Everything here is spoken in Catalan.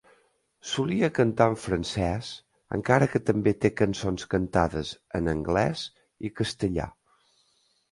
Solia cantar en francès encara que també té cançons cantades en anglès i castellà.